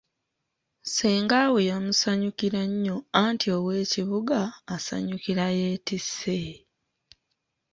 Ssenga we yamusanyukira nnyo anti ow'kibuga asanyukira yettise.